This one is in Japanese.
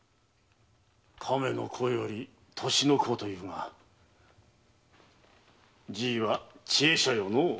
亀の甲より年の劫というがじいは知恵者よのう。